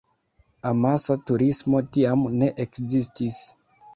Amasa turismo tiam ne ekzistis.